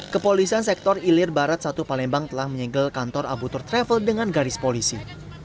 kepolisian sektor ilir barat satu palembang telah menyegel kantor abu tur travel dengan garis polisi